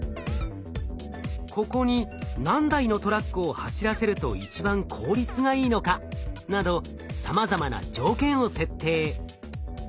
ここに何台のトラックを走らせると一番効率がいいのかなどさまざまな条件を設定。